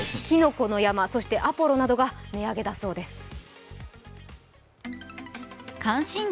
きのこの山、そして、アポロなどが値上げだそうです。